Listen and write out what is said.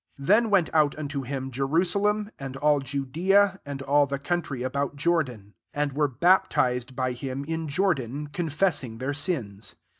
5 Then went out unto him Jerusalem) and aU Judea, and all the country about Jordan; 6 and were baptized by him in Jordan, confessing their sins.